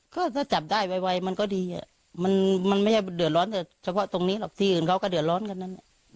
ก็ถ้าจับได้ไวมันก็ดีมันไม่ใช่เดือดร้อนแต่เฉพาะตรงนี้หรอกที่อื่นเขาก็เดือดร้อนกันนั้น